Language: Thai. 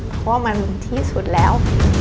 เพราะว่ามันที่สุดแล้ว